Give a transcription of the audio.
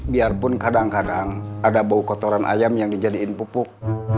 biarpun kadang kadang ada bau kotoran ayam yang dijadikan pupuk